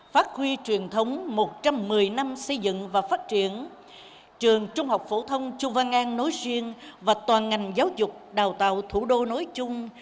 phát huy truyền thống một trăm một mươi năm xây dựng và phát triển trường trung học phổ thông chu văn an nối riêng và toàn ngành giáo dục đào tạo thủ đô nối chung